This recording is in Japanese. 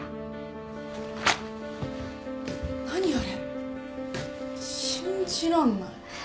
何あれ信じらんない